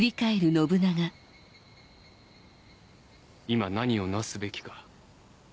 今何をなすべきか。